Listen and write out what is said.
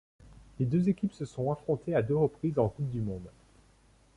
Les deux équipes se sont affrontées à deux reprises en Coupe du monde.